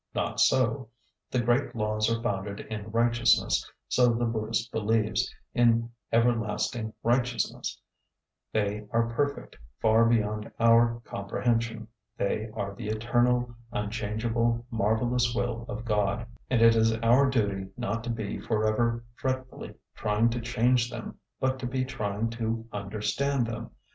Not so; the great laws are founded in righteousness, so the Buddhist believes, in everlasting righteousness; they are perfect, far beyond our comprehension; they are the eternal, unchangeable, marvellous will of God, and it is our duty not to be for ever fretfully trying to change them, but to be trying to understand them.